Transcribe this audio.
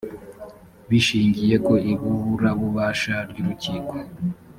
bishingiye ku iburabubasha ry urukiko